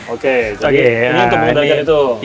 oke ini untuk mengendalikan itu